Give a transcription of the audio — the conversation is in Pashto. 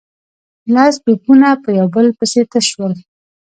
لس توپونه په يو بل پسې تش شول.